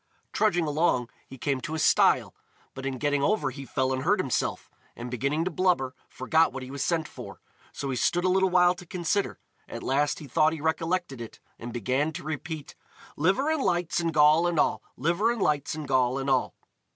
Trudging along, he came to a stile; but in getting over he fell and hurt himself, and beginning to blubber, forgot what he was sent for. So he stood a little while to consider: at last he thought he recollected it, and began to repeat: "Liver and lights and gall and all! Liver and lights and gall and all!"